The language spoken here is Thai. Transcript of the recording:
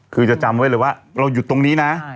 คือจะจำไว้เลยว่าเราหยุดตรงนี้นะ